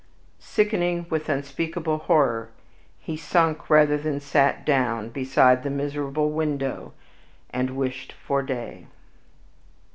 Sickening with unspeakable horror, he sunk rather than sat down beside the miserable window, and "wished for day."